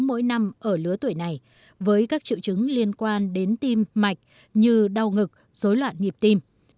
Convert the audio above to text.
mỗi năm ở lứa tuổi này với các triệu chứng liên quan đến tim mạch như đau ngực dối loạn nhịp tim